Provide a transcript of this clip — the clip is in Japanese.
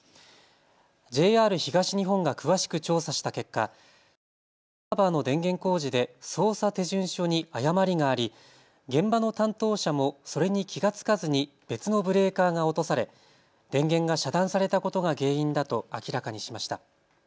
ＪＲ東日本が詳しく調査した結果、システムサーバーの電源工事で操作手順書に誤りがあり現場の担当者もそれに気が付かずに別のブレーカーが落とされ電源が遮断されたことが原因だと明らかにしました。